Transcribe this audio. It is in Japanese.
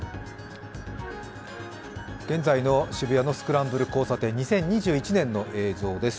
現在の渋谷のスクランブル交差点、２０２１年の映像です。